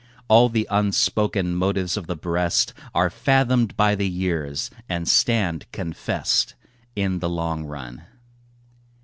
All the unspoken motives of the breast Are fathomed by the years and stand confess'd In the long run.